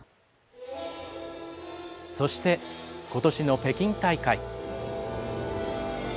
そして、ことしの北京大会。